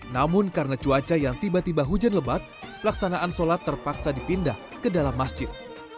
namun karena cuaca yang tiba tiba hujan lebat pelaksanaan sholat terpaksa dipindah ke dalam masjid